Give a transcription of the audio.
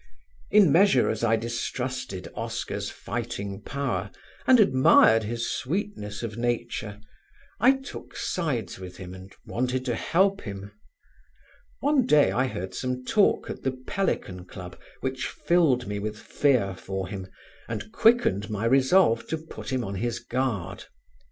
In measure as I distrusted Oscar's fighting power and admired his sweetness of nature I took sides with him and wanted to help him. One day I heard some talk at the Pelican Club which filled me with fear for him and quickened my resolve to put him on his guard.